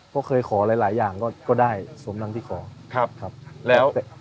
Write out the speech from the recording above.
เพราะเคยขอหลายหลายอย่างก็ก็ได้สมดังที่ขอครับครับแล้ว